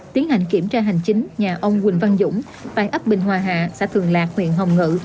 tiến hành kiểm tra hành chính nhà ông quỳnh văn dũng tại ấp bình hòa hạ xã thường lạc huyện hồng ngự